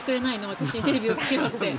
私に、テレビをつけろって。